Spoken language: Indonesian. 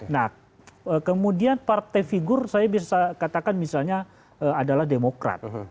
nah kemudian partai figur saya bisa katakan misalnya adalah demokrat